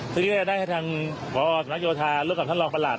ซึ่งก็จะได้ให้ทางพอสำนักโยธาร่วมกับท่านรองประหลัด